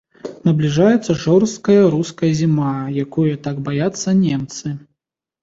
Набліжаецца жорсткая руская зіма, якое так баяцца немцы.